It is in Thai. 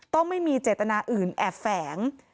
ไม่มีเจตนาอื่นแอบแฝง